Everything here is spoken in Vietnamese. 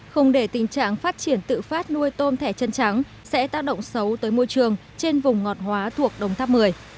không để tình trạng phát triển tự phát nuôi tôm thẻ chân trắng sẽ tác động xấu tới môi trường trên vùng ngọt hóa thuộc đồng tháp một mươi